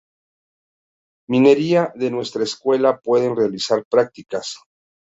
Minería de nuestra Escuela pueden realizar prácticas.